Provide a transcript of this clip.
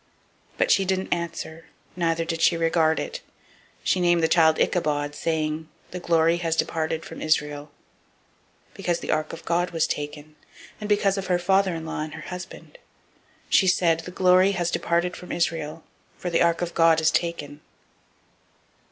But she didn't answer, neither did she regard it. 004:021 She named the child Ichabod, saying, The glory is departed from Israel; because the ark of God was taken, and because of her father in law and her husband. 004:022 She said, The glory is departed from Israel; for the ark of God is taken.